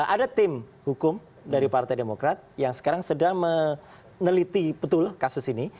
ada tim hukum dari partai demokrat yang sekarang sedang meneliti betul kasus ini